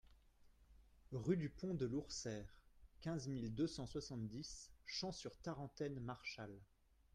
Rue du Pont de Lourseyre, quinze mille deux cent soixante-dix Champs-sur-Tarentaine-Marchal